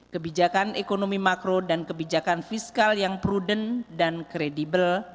kebijakan ekonomi makro dan kebijakan fiskal yang prudent dan kredibel